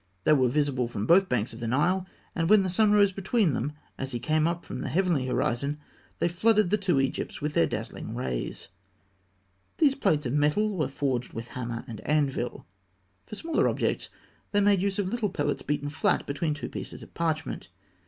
"They were visible from both banks of the Nile, and when the sun rose between them as he came up from the heavenly horizon, they flooded the two Egypts with their dazzling rays." These plates of metal were forged with hammer and anvil. For smaller objects, they made use of little pellets beaten flat between two pieces of parchment.